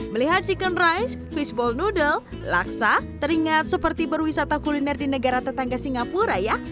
melihat second rice fishball nodel laksa teringat seperti berwisata kuliner di negara tetangga singapura ya